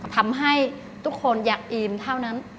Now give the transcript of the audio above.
ทำให้ทุกคนอยากอิ่มเท่านั้น